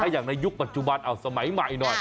อย่างในยุคปัจจุบันเอาสมัยใหม่หน่อย